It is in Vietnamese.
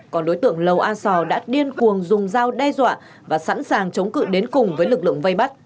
còn đối tượng lầu a sò đã điên cuồng dùng dao đe dọa và sẵn sàng chống cự đến cùng với lực lượng vây bắt